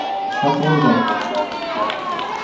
تاسي ولي داسي په خندا سره سواست؟